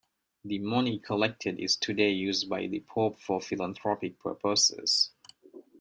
The money collected is today used by the pope for philanthropic purposes.